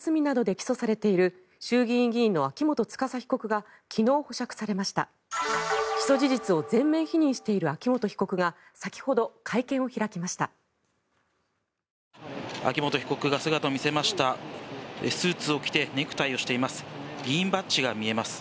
起訴事実を全面否認している秋元被告が先ほど、会見を開きました。